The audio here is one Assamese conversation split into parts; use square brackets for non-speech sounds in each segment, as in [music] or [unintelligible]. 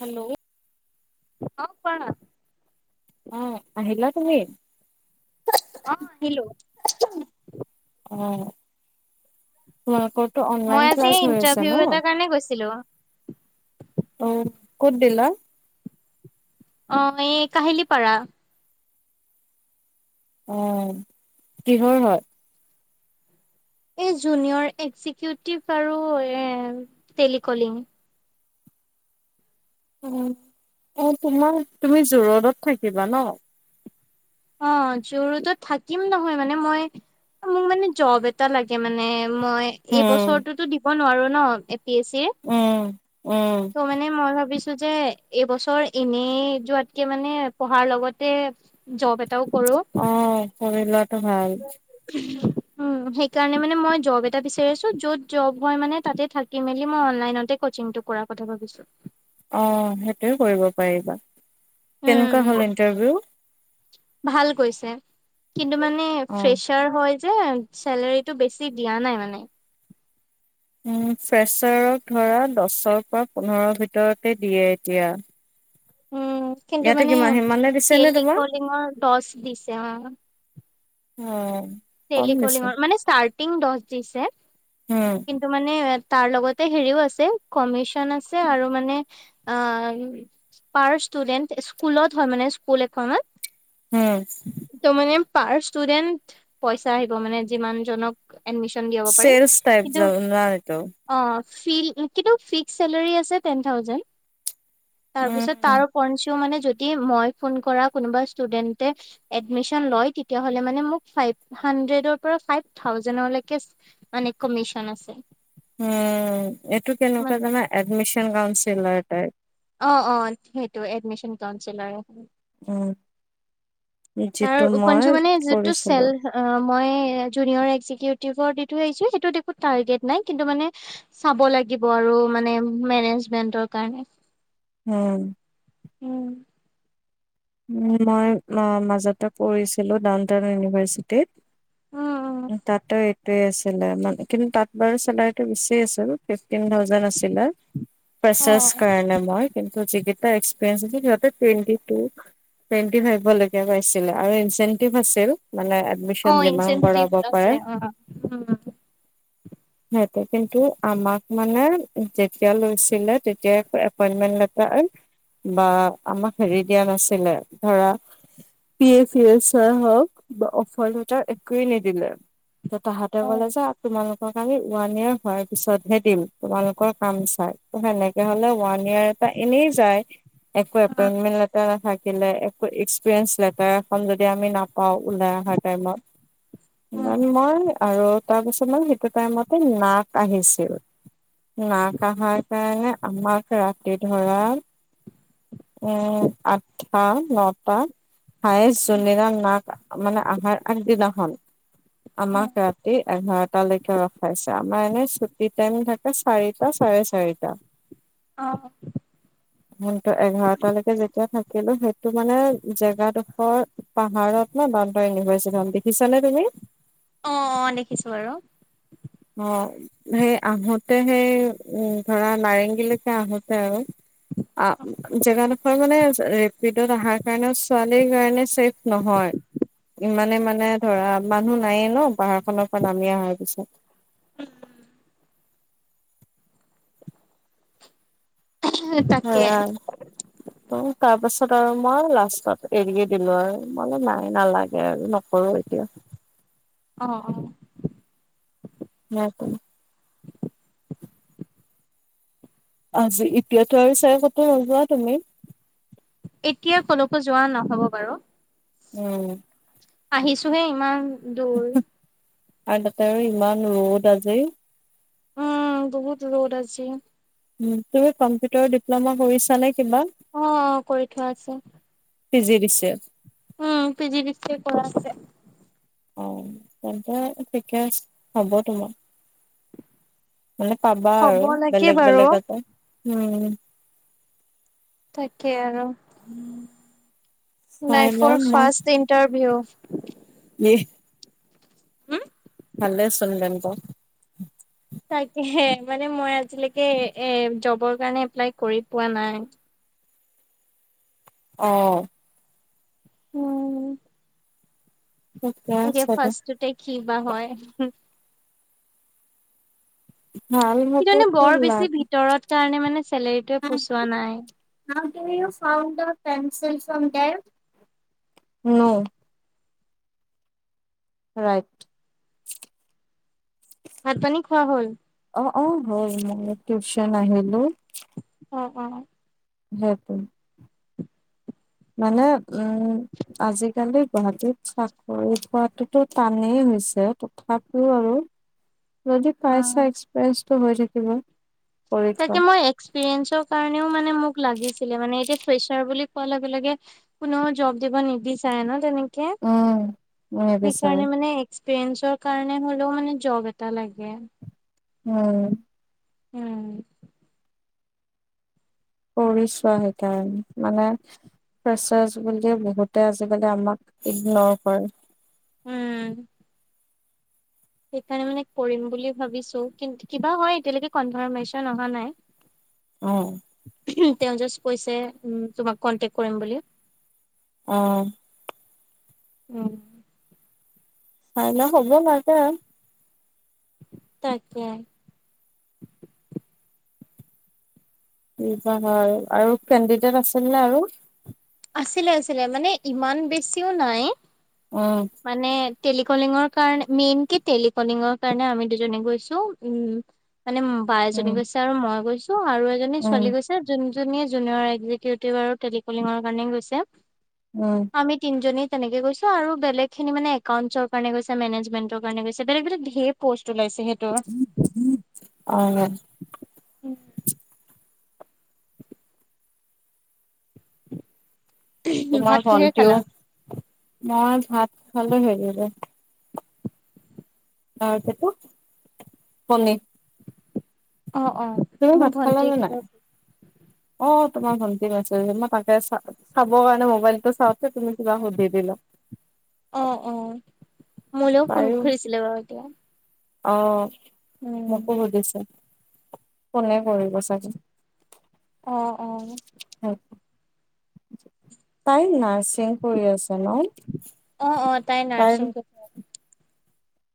হেল্ল'। অ, কোৱা [unintelligible] অ, আহিলা তুমি? অ, আহিলোঁ। অ, তোমালোকৰ টো মই অনলাইন আজি ক্লাছ হৈ আছে ইন্টাৰভিউ ন'? এটাৰ কাৰণে গৈছিলো অ, ক'ত দিলা? অ, এই কাহিলী পাৰা। অ, কিহৰ হয়? এই জুনিয়ৰ একিজকিউটিভ আৰু এ, টেলিকলিং। অ', অ, তোমাৰ তুমি জোৰডত থাকিবা ন'? অ, জোৰডত থাকিম নহয় মানে, মই মোক মানে জব এটা লাগে মানে। মই, এই উম বছৰটোতো দিব নোৱাৰোঁ ন এ পি এছ চি। উম, উম। ত' মানে মই ভাবিছোঁ যে এইবছৰ এনে যোৱাতকে মানে পঢ়াৰ লগতে জব এটাও কৰোঁ। অ, কৰি লোৱাটো ভাল। [unintelligible] উম, সেইকাৰণে মানে মই জব এটা বিচাৰি আছোঁ, য'ত জব হয় মান তাতে থাকি মেলি মই অনলাইনতে কচিংটো কৰাম। কথা ভাবিছোঁ। অ', সেইটোৱে কৰিব পাৰিবা, কেনেকুৱা হ'ল ইণ্টাৰভিউ? ভাল গৈছে, কিন্তু মানে অ ফ্ৰেছ ছাৰ হয় যে, চেলেৰিটো বেছি দিয়া নাই মানে। উম, ফ্ৰেছাৰক ধৰা দচৰ পৰা পোন্ধৰৰ ভিতৰতে দিয়ে এতিয়া। উম, কিন্তু ইয়াতে মানে কিমান সিমানে দিছে নে তোমাক টেলিকলিঙৰ দচ দিছে, অ' উম। তেলি কলিঙৰ মানে, ষ্টাৰ্টিং দহ দিছে, উম কিন্তু মানে তাৰ লগতে হেৰিও আছে, কমিশন আছে আৰু মানে আ পাৰ ষ্টুডেন্ট, স্কুলত হয়, মানে স্কুল এখনত। উম। ত' মানে পাৰ ষ্টুডেন্ট পইচা আহিব, মানে যিমান জনক। এডমিশন দি চেলছ টাইপ যব না এইটো। অ', ফিল, কিন্তু ফিক্সড চেলেৰী আছে তেন থাউজেণ্ড, উম তাৰপিছত তাৰ উপৰঞ্চিও মানে যদি মই ফোন কৰা কোনোবা ষ্টুডেন্টে এডমিশ্যন লয়, তেতিয়া হলে মানে মোক ফাইভ হাড্ৰেডৰ পৰা ফাইভ থাউজেনলেকে মানে কমিচন আছে। উম, এইটো কেনেকুৱা জানা, এডমিচন কাউঞ্চিলাৰ টাইপ। অ', অ', সেইটো এডমিশন কাউঞ্চিলাৰ। উম, যিটো মই কৰিছিলো অ', মই যুনিয়ৰ এক্জিকিউটিভৰ দি থৈ আহিছোঁ, সেইটোত একো টাৰ্গেট নাই কিন্তু মানে। চাব লাগিব আৰু মানে মেনেজমেন্টৰ কাৰণে। উম। উম। উম মই মাজতে কৰিছিলোঁ, ডাউন টাউন ইউনিভাৰ্চি উম টিত তাতে টোৱে আছিলে, মানে কিন্তু তাত বাৰু চেলাৰিটো বেচি আছিল। ফিফটিন থাউজেণ্ড আছিলে, ফ্ৰেচাৰচ উম কাৰনে মই, কিন ত' যিকিটাৰ এক্সপিৰিয়েন্চ আছিল সিহতে টুৱেন্টি টু টুৱেন্টি ফাইভলেকে পাইছিলে আৰু ইনচেন্টিভ আছিল, মানে অ এডমিশন যিমান ইনচেনটিভ কৰাব পাৰে। আছে অ উম। সেইটো কিন্তু আমাক মানে যেতিয়া লৈছিলে, তেতিয়াই এপ-এপইন্টমেন্ট লেটাৰ। বা আমাক হেৰি দিয়া নাছিলে, ধৰা P F E S I হওক বা অফাৰ লেটাৰ একোৱেই নিদিলে। ত' তাহাঁতে অ ক'লে যে আপোনালোক তোমাক আমি ওৱান ইয়েৰ হোৱাৰ পিছতহে দিম তোমালোকৰ কাম চাই, ত' সেনেকে হ'লে, ওৱান ইয়েৰ পা এনেই যায়, একো অ এপইনমেন্ট লেটাৰ নাথাক দিলে একো এক্সপিৰিয়েঞ্চ লেটাৰ এখন যদি আমি নাপাও ওলাই অহাৰ টাইমত। ইমান উম মান আৰু তাৰপিছত মানে সেইটো টাইমতে নাক আহিছিল, নাক আহা কাৰনে আমাক ৰাতি ধৰা, উম আঠ টা নটা, হাইয়েষ্ট যোনদিনা নাক মানে আহাৰ আগদিনাখন, অ অ আমাক ৰাতি এঘাৰ তালৈকে ৰখাইছে আমাৰ এনে ছুটি টাইম থাকে চাৰিটা চাৰে চাৰিটা। অ। কিন্তু এঘাৰটালৈকে যেতিয়া থাকিলো সেইটো মানে জেগা ডখৰ পাহাৰত ন ডাউন টাউন ইউনিভাৰচিটি খন দেখিছা নে তুমি? অ অ দেখিছো বাৰু। অ। সেই আহোতে সেই উ ধৰা নাৰেংগীলৈকে আহোতে আৰু। অ জেগা ডখৰ মানে ৰেপিডত অহাৰ কাৰণেও ছোৱালীৰ কাৰণে ছেফ নহয়। ইমানে মানে ধৰা মানুহ নাইয়ে ন পাহাৰ খনৰ পৰা নামি অহাৰ পিছত। [inaudible] এ তাকে। [inaudible] অ তাৰ পাছত আৰু মই লাষ্টত এৰিয়ে দিলো আৰু মই নাই নালাগে আৰু ন কৰো এতিয়া। অ অ। নাই। আজি এতিয়াতো আৰু চাগে কতো নোযোৱা তুমি? এতিয়া কলকো যোৱা নহব বাৰু। উম। আহিছোহে ইমান দূৰ। আৰু তাতে আৰু ইমান ৰ'দ আজি। উম বহুত ৰ'দ আজি। উম তুমি কম্পিউটাৰ ডিপ্লমা কৰিছানে কিবা? অ অ কৰি থোৱা আছে। PG D C A. Um P G D C A কৰা আছে। অ তেন্তে ঠিকে আছে হ'ব তোমাৰ। মানে পাবা হ'ব আৰু লাগে বেলেগ বাৰু। বেলেগতে উম। তাকে আৰু চাই লাইফৰ লম মই ফাৰ্ষ্ট ইণ্টাৰভিউ। [inaudible] হম। ভালে চোন বেংকৰ। তাকে মানে মই আজিলৈকে এ জবৰ কাৰণে এপ্লাই কৰি পোৱা নাই। অ। উম। ঠিকে তাকে আছে দে ফাৰ্ষ্টটোতে কি বা হয়। ভাল কিজানি হ'বতো বৰ বেছি লাগে ভিতৰত কাৰণে মানে চেলেৰিটোৱে পোছোৱা নাই। [inaudible] ৰাইট। ভাত পানী খোৱা হ'ল? অ অ হল মই টিউশ্যন আহিলো। অ অ। [inaudible] মানে উম। আজিকালি গুৱাহাটীত চাকৰি পোৱটোতো টানেই হৈছে তথাপিও আৰু যদি পাইচা অ'। এক্সপেৰিয়েঞ্চটো হৈ থাকিব। কৰি থোৱা তাকে মই এক্সপ্ৰিয়েচৰ কাৰণেও মানে মোক লাগিছিলে মানে এতিয়া ফ্ৰেচাৰ বুলি কোননেও জব দিব নিবিচাৰে ন তেনেকে উম নিবিচাৰে সেইকাৰণে মানে এক্সপিৰিয়েঞ্চৰ কাৰণে হ'লেও মানে জব এটা লাগে। উম, উম, কৰিছোৱা সেইকাৰণে মানে প্ৰেচাৰছ বুলিয়ে বহুতে আজিকালি আমাক ইগনৰ কৰে। উম, সেইকাৰণে মানে কৰিম বুলি ভাবিছো কিন্ত কিবা হয় এতিয়ালৈকে কনফাৰ্মেশ্যন অহা নাই। উম, তেওঁ জাষ্ট কৈছে উম, তোমাক কন্টেক কৰিম বুলি। অ', উম, হয়াই ন হ'ব মাগে তাকে হয় আৰু কেণ্ডিডেট আছিল নে আৰু? আছিলে-আছিলে মানে ইমান বেছিও নাই। উম, মানে টেলিকলিঙৰ কাৰণে মেইন কি টেলিকলিঙৰ কাৰণে আমি দুজনে গৈছো উম, মানে বা উম এজনী গৈছে আৰু মই গৈছো আৰু এজনী উম ছোৱালী গৈছে। যোনজনী জুনিয়ৰ এক্জিকিউটিভ আৰু টেলিকলিঙৰ কাৰণে গৈছে। উম, আমি তিনিনেী তেনেকে গৈছো আৰু বেলেগ খিনি মানে একাউণ্টছৰ কাৰণে গৈছে মেনেজমেণ্টৰ কাৰণে গৈছে বেলেগ বেলে ধে পোষ্ট ওলাইছে সেইটো অ', তোমাৰ ভাত কিহেৰে ভণ্টিও খালা মই ভাত খালো হেৰিৰে। অ, কে শনি অ', অ', তুমি মোৰ ভাত ভন্টিয়ে খালালে নাই? কিবা অ, তোমাৰ ভণ্টি মেছেজ মই তাকে চাব কাৰণে মোবাইল টো চাওঁতে তুমি কিবা সুধি দিলে। অ', অ', মোলৈও ফোন কৰিছিলো বাৰু এতিয়া। আহ মোকো সুধিছে ফোনে কৰিব চাগে। অ', অ', তাই নাৰ চিং কৰি আছে ন। অ', অ', তাই নাৰছং ক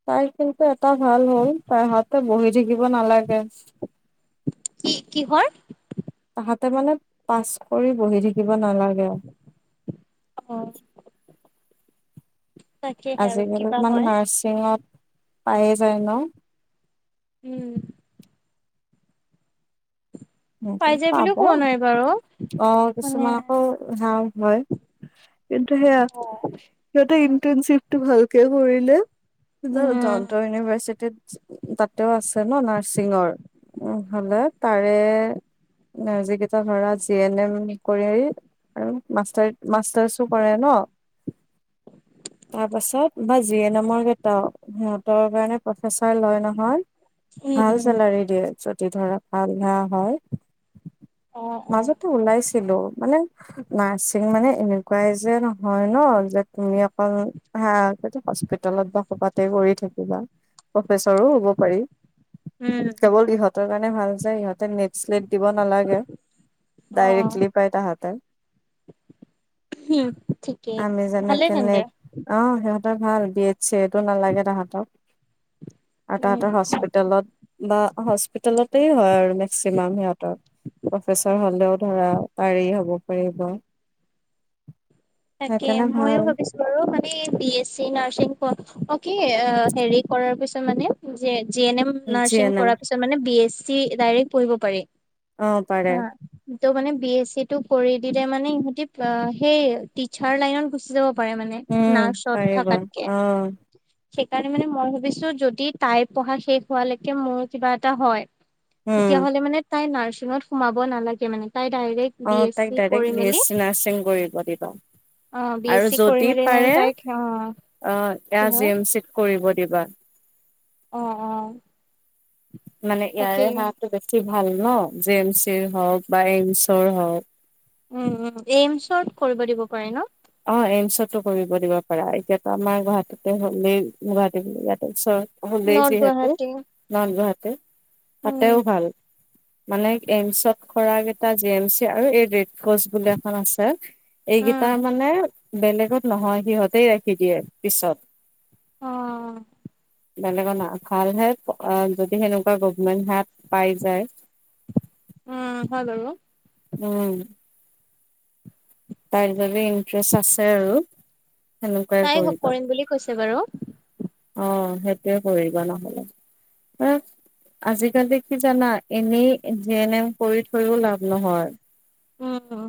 তাই কিন্তু এটা ভাল হ'ল তাই হাতে বহি থাকিব নালাগে। কি কিহৰ? তাহাঁতে মানে পাছ কৰি বহি থাকিব নালাগে আৰু অ', তাকেহে আৰু আজিকালি কিবা ইমান হয় নাৰ্ছিঙত পায়ে যায় ন? উম, ম পাই যায় বুলিও পাব ক'ব নোৱাৰি বাৰু অ, মানে কিছুমান আকৌ হ হয়। [unintelligible] কিন্তু সেয়া অ' সিহঁতে ইণ্টাৰনশিপটো ভালকে কৰিলে। উম ডাউন টাউন ইউনিভাৰ্চিটিত। তাতেও আছে ন নাৰ্ছিঙৰ, হলে তাৰে নাৰ্জী কেইটা ধৰা জি এন এম কৰি আহি। আৰু মাষ্টাৰ উম মাষ্টাৰছো কৰে ন। তাৰ পাছত বা জি এন এমৰ কেইটাও সিহঁতৰ কাৰণে প্ৰফেচাৰ লয় নহয়। ভাল উম চেলাৰি দিয়ে যদি ধৰা ভাল ধাৰা হয়। অ অ মাজতে ওলাইছিলো মানে নাৰছিং মানে এনেকুৱাই যে নহয় ন, যে তুমি অকল ভা আগতে হস্পিতেলত বা কবাতে কৰি থাকিবা, প্ৰফেচৰো হ'ব পাৰি। উম উম কেৱল ইহঁতৰ কাৰণে ভাল যে ইহঁতে নে শ্লিপ দিব নালাগে, অ ডাইৰেক্টলি পাই তাহাঁতে। হম' ঠিকে আমি ভালে যেনেকে তেন্তে। নেট অ' সিহঁতৰ ভাল বি এদ চি এদো নালাগে তাহাঁতক। আৰু উম তাহাঁতৰ হস্পিতেলত বা হস্পিতেলতেই হয় আৰু মেক্সিমাম সিহঁতৰ। প্ৰফেচৰ হলেও ধৰা পাৰি হ'ব। পাৰিব। তাকে সেইকাৰণে ময়ো ভাল ভাবিছো আৰু মানে বি এ চি নাৰ্ছিং কি অ' হেৰি কৰাৰ পিছত মানে, G N M G nursing N M কৰাৰ পিছত মানে বি এ চি ডাইৰেক্ট পঢ়িব পাৰি। অ পাৰে ত' মানে বি এছ চি টো কৰি দিলে মানে, ইহঁতি সেই টিচাৰ লাইনত গুচি যাব পাৰে মানে উম নাৰ্ছত পাৰিব থকাকে। অ সেইকাৰণে মানে মই ভাবিছো যদি তাইৰ পঢ়া শেষ হোৱালৈকে মোৰ কিবা এটা হয়। উম তেতিয়াহ'লে মানে তাই নাৰ্চিংত সোমাব নালাগে মানে। তাই ডাইৰেক্ট বি অ' এছ তাইক চি কৰি ডাইৰেক্ট বি মেলি এছ চি নাৰ্ছিং কৰিব দিবা। অ বি এছ আৰু চি কৰি যদি মেলি মানে পাৰে তাইক অ অ' এ কি হয় জি এম চি কৰিব দিবা। অঁ অঁ। মানে ইয়াৰে সেৱটো বেছি ভাল ন, জে এম চিৰ হওঁক বা এম চৰ হওঁক। উম' উম'এইমচত কৰিব দিব পাৰি ন। অ এইমচতো কৰিব দিব পাৰা, এতিয়াতো আমাৰ গুৱাহাটীতে হ'লে গুৱাহাটী বুলি ইয়াতে ওচৰত। বহুত দেৰি নৰ্থ যিহেতু গুৱাহাটী নৰ্থ গুৱাহাটী, উম তাতেও ভাল। মানে এইমচত কৰাকেইটা জি এম চি আৰু এই ৰেড ক্ৰচ বুলি এখন আছে। এইগিতা। উম মানে বেলেগত নহয় সিহঁতেই ৰাখি দিয়ে পিছত। অ বেলেগৰ না, ভাল হে যদি সেনেকুৱা গভমেন্ট হে পাই যায়। উম' হৈ গল ন। উম। তাইৰ বাবে ইন্টেৰেষ্ট আছে আৰু সেনেকুৱাই তাই কৰিবা। কৰিম বুলি কৈছে বাৰু অ' সেইটোয়ে কৰিবা নহলে। আজিকালি কি জানা, এনেই জি এন এম কৰি থৈও লাভ নহয়। উম।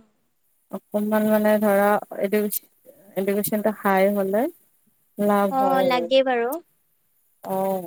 অকণমান মানে ধৰা, এডুকেশ্যনটো হাই হ'লে। লাভ অ হয় হয় লাগেই বাৰু অহ।